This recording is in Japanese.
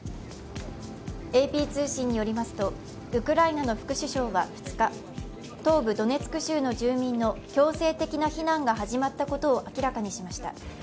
ＡＰ通信によりますとウクライナの副首相は２日、東部ドネツク州の住民の強制的な避難が始まったことを明らかにしました。